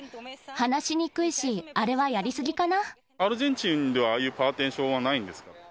話しにくいし、あれはやり過ぎかアルゼンチンでは、ああいうパーティションはないんですか？